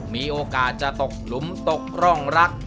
มีโอกาสจะตกหลุมตกร่องรัก